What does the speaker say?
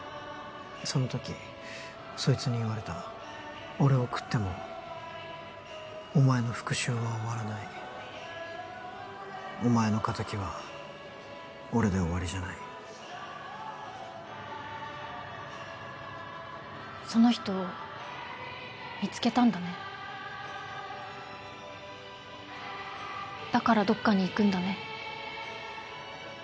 その時そいつに言われた俺を喰ってもお前の復讐は終わらないお前の仇は俺で終わりじゃないその人を見つけたんだねだからどっかに行くんだね